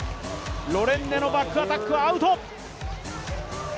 ロレンネのバックアタックはアウト。